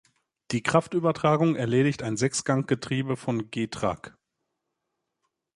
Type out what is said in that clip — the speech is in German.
Die Kraftübertragung erledigt ein Sechsganggetriebe von Getrag.